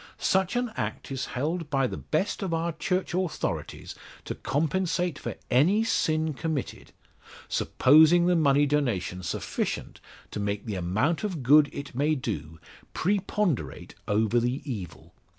Such an act is held by the best of our Church authorities to compensate for any sin committed supposing the money donation sufficient to make the amount of good it may do preponderate over the evil.